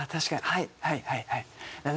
はいはいはいはい。